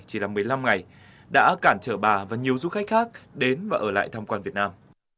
chỉ là một mươi năm ngày đã cản trở bà và nhiều du khách khác đến và ở lại tham quan việt nam